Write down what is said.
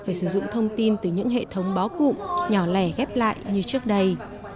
phải sử dụng thông tin từ những hệ thống bó cụm nhỏ lẻ ghép lại như trước đây